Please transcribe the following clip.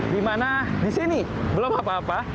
dimana disini belum apa apa